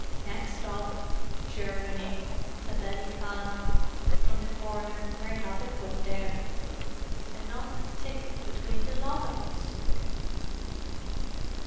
"Next stop, Germany!" said Denny Callaghan from the corner where he had been put down. "And not a ticket between the lot of us!"